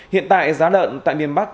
hiện tại giá lợn tại miền bắc